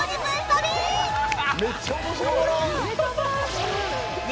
めっちゃ面白っ！